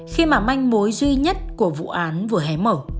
khi mà manh mối duy nhất của vụ án vừa hé mở